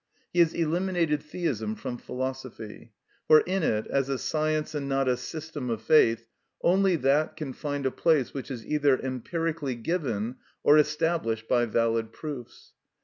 He has eliminated theism from philosophy; for in it, as a science and not a system of faith, only that can find a place which is either empirically given or established by valid proofs.